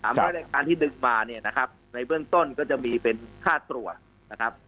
มาตรการที่ดึงมาเนี่ยนะครับในเบื้องต้นก็จะมีเป็นค่าตรวจนะครับ